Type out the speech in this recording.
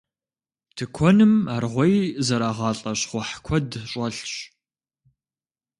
Тыкуэным аргъуей зэрагъалӏэ щхъухь куэд щӏэлъщ.